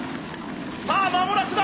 さあ間もなくだ！